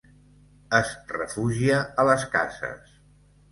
Es refugia a les cases.